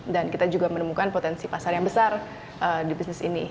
dan kita juga menemukan potensi pasar yang besar di bisnis ini